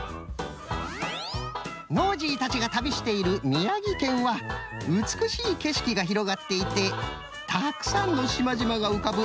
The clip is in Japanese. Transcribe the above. ノージーたちが旅している宮城県はうつくしいけしきがひろがっていてたくさんのしまじまがうかぶ